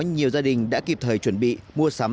nhiều gia đình đã kịp thời chuẩn bị mua sắm